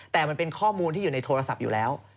แต่มันเป็นข้อมูลที่อยู่ในโทรศัพท์อยู่แล้ว